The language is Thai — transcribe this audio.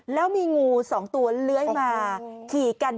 แล้วมีงู๒ตัวเลื้อยมาขี่กัน